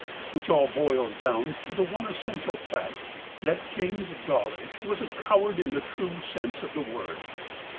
Which all boils down to the one essential fact that James Dawlish was a coward in the true sense of the word.